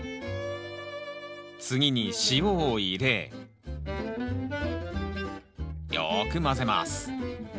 次に塩を入れよく混ぜます